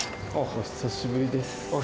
お久しぶりです。